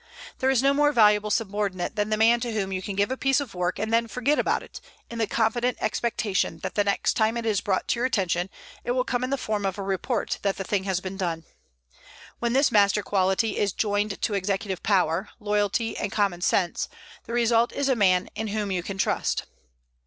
There is no more valuable subordinate than the man to whom you can give a piece of work and then forget about it, in the confident expectation that the next time it is brought to your attention it will come in the form of a report that the thing has been done. When this master quality is joined to executive power, loyalty, and common sense, the result is a man whom you can trust.